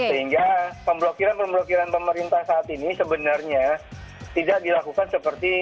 sehingga pemblokiran pemblokiran pemerintah saat ini sebenarnya tidak dilakukan seperti